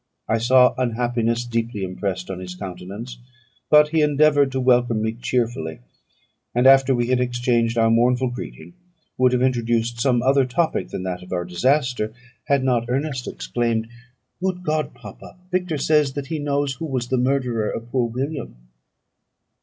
I saw unhappiness deeply impressed on his countenance, but he endeavoured to welcome me cheerfully; and, after we had exchanged our mournful greeting, would have introduced some other topic than that of our disaster, had not Ernest exclaimed, "Good God, papa! Victor says that he knows who was the murderer of poor William."